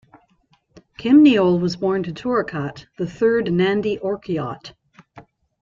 Kimnyole was born to Turukat, the third Nandi Orkoiyot.